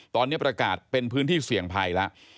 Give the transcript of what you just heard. ตอนนี้ประกาศเป็นพื้นที่เสี่ยงภัยแล้ว